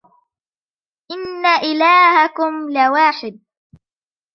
إِنَّ إِلَهَكُمْ لَوَاحِدٌ